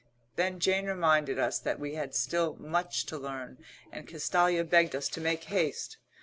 Then Jane reminded us that we had still much to learn, and Castalia begged us to make haste.